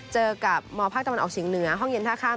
เจอกับมภาคตะวันออกเฉียงเหนือห้องเย็นท่าข้าม